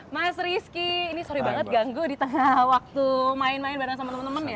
mas rizky ini sorry banget ganggu di tengah waktu main main bareng sama temen temen ya